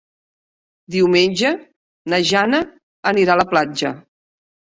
Diumenge na Jana anirà a la platja.